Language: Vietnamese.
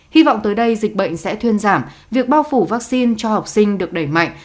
hy vọng tới đây dịch bệnh sẽ thuyên giảm việc bao phủ vaccine cho học sinh được đẩy mạnh